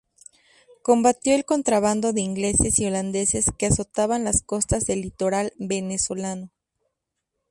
Combatió el contrabando de ingleses y holandeses que azotaban las costas del litoral venezolano.